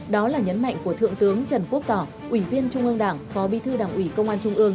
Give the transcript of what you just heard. đó là nhấn mạnh của thượng tướng trần quốc tỏ ủy viên trung ương đảng phó bí thư đảng ủy công an trung ương